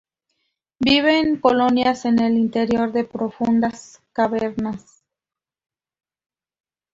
Vive en colonias en el interior de profundas cavernas.